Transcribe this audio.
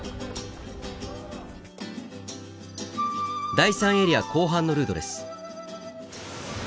第３エリア後半のルートです。